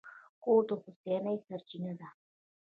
کور د هوساینې سرچینه ده.